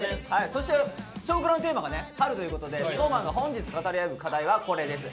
そして「少クラ」のテーマがね「春」ということでＳｎｏｗＭａｎが本日語り合う課題はこれです。